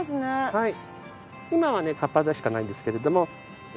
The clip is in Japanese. はい。